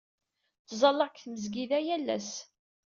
Ttẓallaɣ deg tmesgida yal ass.